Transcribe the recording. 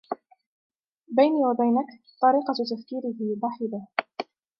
بيني وبينك ، طريقة تفكيره ضحلة.